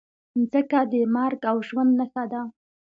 مځکه د مرګ او ژوند نښه ده.